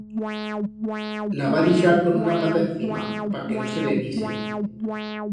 La va dixar con una pata encima, pa que no se le'n ise.